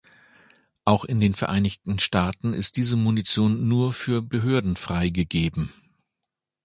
Auch in den Vereinigten Staaten ist diese Munition nur für Behörden freigegeben.